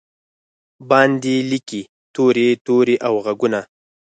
باندې لیکې توري، توري او ږغونه